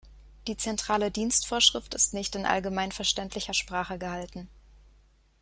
Die Zentrale Dienstvorschrift ist nicht in allgemeinverständlicher Sprache gehalten.